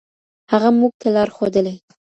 هغه موږ ته لار ښودلې.